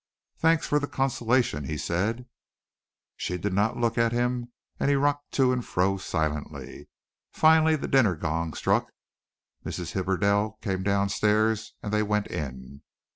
"Thanks for the consolation," he said. She did not look at him and he rocked to and fro silently. Finally the dinner gong struck. Mrs. Hibberdell came down stairs and they went in.